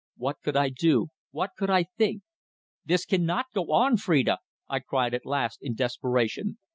What could I do? What could I think? "This cannot go on, Phrida!" I cried at last in desperation.